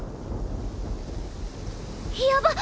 やばっ！